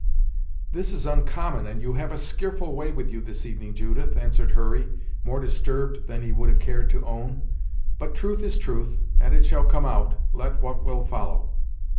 "This is oncommon, and you have a skearful way with you this evening, Judith," answered Hurry, more disturbed than he would have cared to own, "but truth is truth, and it shall come out, let what will follow.